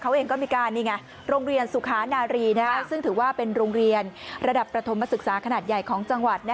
เขาเองก็มีการนี่ไงโรงเรียนสุขานารีซึ่งถือว่าเป็นโรงเรียนระดับประถมศึกษาขนาดใหญ่ของจังหวัด